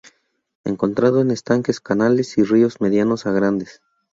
Encontrado en estanques, canales y ríos medianos a grandes.